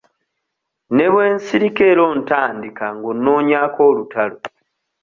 Ne bwe nsirika era ontandika ng'onnoonyaako olutalo.